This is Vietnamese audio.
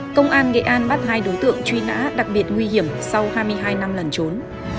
công an nghệ an bắt hai đối tượng truy nã đặc biệt nguy hiểm sau hai mươi hai năm lần trốn